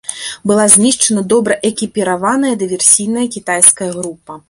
Была знішчана добра экіпіраваная дыверсійная кітайская група.